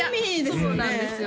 いやそうなんですよね